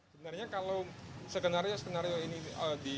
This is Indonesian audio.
sebenarnya kalau skenario skenario ini di